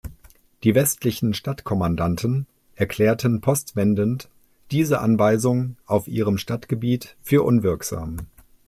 Die westlichen Stadtkommandanten erklärten postwendend diese Anweisung auf ihrem Stadtgebiet für unwirksam.